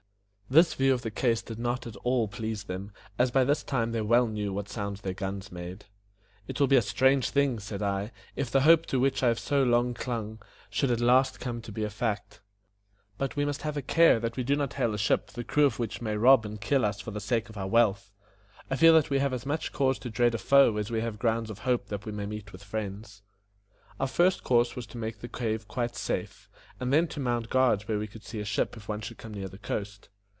This view of the case did not at all please them, as by this time they well knew what sounds their guns made. "It will be a strange thing," said I, "if the hope to which I have so long clung should at last come to be a fact; but we must have a care that we do not hail a ship the crew of which may rob and kill us for the sake of our wealth. I feel that we have as much cause to dread a foe as we have grounds of hope that we may meet with friends." Our first course was to make the cave quite safe, and then to mount guard where we could see a ship if one should come near the coast.